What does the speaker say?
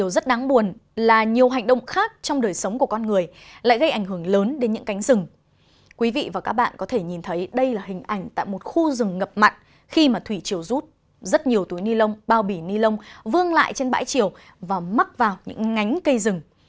rất nhiều túi ni lông bao bỉ ni lông vương lại trên bãi chiều và mắc vào những ngánh cây rừng